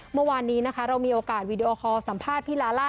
เมื่อวานนี้นะคะเรามีโอกาสวีดีโอคอลสัมภาษณ์พี่ลาล่า